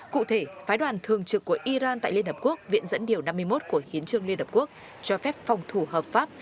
cụ thể phái đoàn thường trực của iran tại liên hợp quốc viện dẫn điều năm mươi một của hiến trương liên hợp quốc cho phép phòng thủ hợp pháp